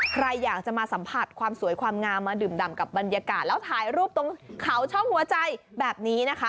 ใครอยากจะมาสัมผัสความสวยความงามมาดื่มดำกับบรรยากาศแล้วถ่ายรูปตรงเขาช่องหัวใจแบบนี้นะคะ